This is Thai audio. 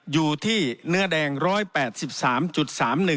อยู่ที่เนื้อแดง๑๘๓๓๑